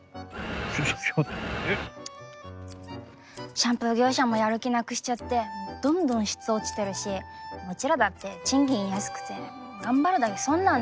シャンプー業者もやる気なくしちゃってどんどん質落ちてるしうちらだって賃金安くて頑張るだけ損なんですよ。